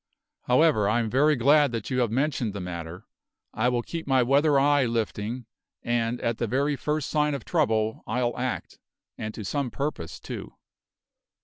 However, I am very glad that you have mentioned the matter; I will keep my weather eye lifting, and at the very first sign of trouble I'll act, and to some purpose, too."